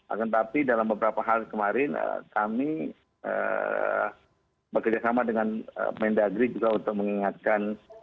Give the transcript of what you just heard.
akan tetapi dalam beberapa hal kemarin kami bekerjasama dengan mendagri juga untuk mengingatkan